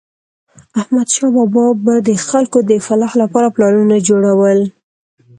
احمدشاه بابا به د خلکو د فلاح لپاره پلانونه جوړول.